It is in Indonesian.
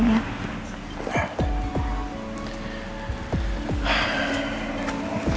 saya pernah lulus